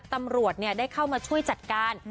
ตำรวจได้เข้ามาช่วยจัดการ